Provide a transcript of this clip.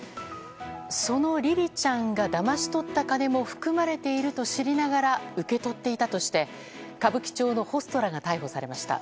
そのりりちゃんがだまし取った金も含まれていると知りながら受け取っていたとして歌舞伎町のホストらが逮捕されました。